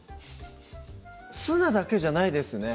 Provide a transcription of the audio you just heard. ツナだけじゃないですね